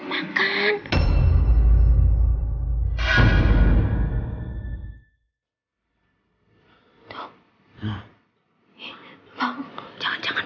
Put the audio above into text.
kita kalah jangan bangun